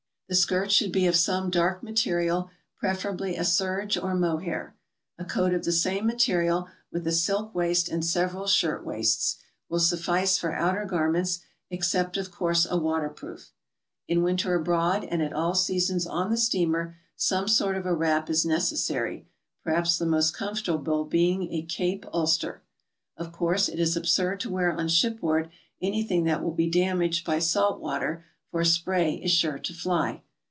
The skirt should be of some dark material, preferably a serge or mohair. A coat of the same material, with a silk waist and several shirt waists, will suffice for outer garments, except, of course, a waterproof. In winter abroad and at all seasons on the steamer, some sort of a wrap is necessary, per*haps the most comfortable being a cape ulster. Of course, it is absurd to wear on shipboard anything that will be damaged by salt water, foi spray is sure to fly.